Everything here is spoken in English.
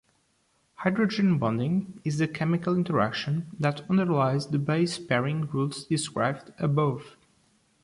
Hydrogen bonding is the chemical interaction that underlies the base-pairing rules described above.